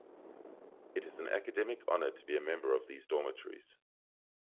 It is an academic honor to be a member of these dormitories.